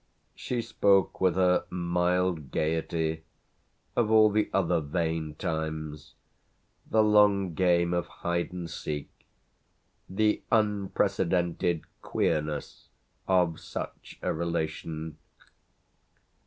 She spoke with her mild gaiety of all the other vain times, the long game of hide and seek, the unprecedented queerness of such a relation.